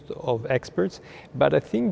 vâng anh đúng